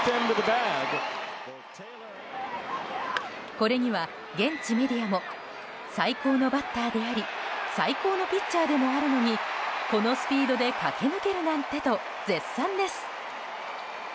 これには現地メディアも最高のバッターであり最高のピッチャーでもあるのにこのスピードで駆け抜けるなんてと絶賛です。